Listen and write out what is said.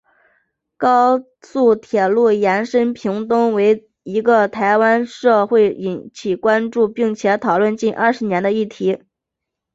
高速铁路延伸屏东为一个在台湾社会引起关注且讨论近二十年的议题。